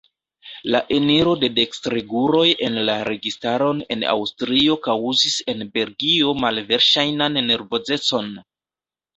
La eniro de dekstreguloj en la registaron en Aŭstrio kaŭzis en Belgio malverŝajnan nervozecon.